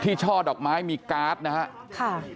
ช่อดอกไม้มีการ์ดนะครับ